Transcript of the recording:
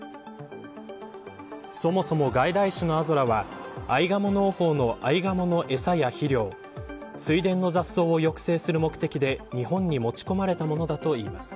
そもそも外来種のアゾラはアイガモ農法のアイガモの、えさや肥料水田の雑草を抑制する目的で日本に持ち込まれたものだといいます。